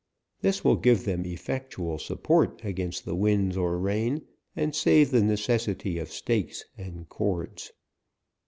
This will give them effectual sup port against the winds or rain, and save the necessity of stakes and cords.